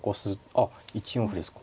あっ１四歩ですか。